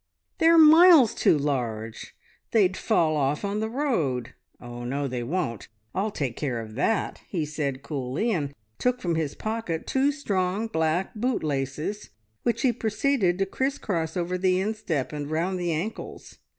"`They're miles too large. They'd fall off on the road.' "`Oh, no they won't. I'll take care of that,' he said coolly, and took from his pocket two strong black bootlaces which he proceeded to criss cross over the instep and round the ankles.